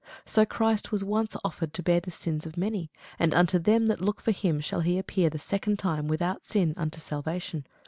So Christ was once offered to bear the sins of many; and unto them that look for him shall he appear the second time without sin unto salvation.